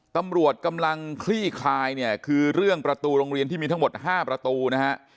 ตำรวจกำลังคลี่คลายเนี่ยคือเรื่องประตูโรงเรียนที่มีทั้งหมด๕ประตูนะฮะ